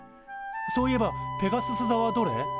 そういえばペガスス座はどれ？